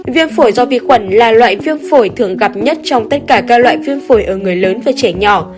viêm phổi do vi khuẩn là loại viêm phổi thường gặp nhất trong tất cả các loại viêm phổi ở người lớn và trẻ nhỏ